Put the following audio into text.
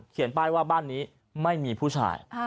ป้ายว่าบ้านนี้ไม่มีผู้ชาย